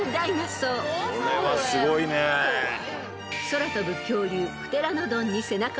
［空飛ぶ恐竜］